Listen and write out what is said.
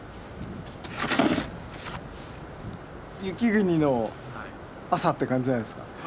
雪国の朝って感じじゃないですか？